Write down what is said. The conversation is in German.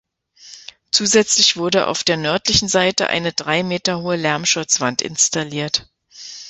Zusätzlich wurde auf der nördlichen Seite eine drei Meter hohe Lärmschutzwand installiert.